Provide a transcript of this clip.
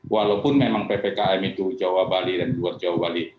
walaupun memang ppkm itu jawa bali dan luar jawa bali